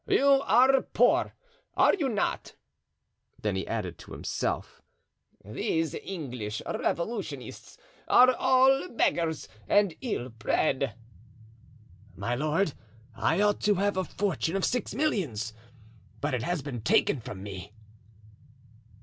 You are poor, are you not?" Then he added to himself: "These English Revolutionists are all beggars and ill bred." "My lord, I ought to have a fortune of six millions, but it has been taken from me."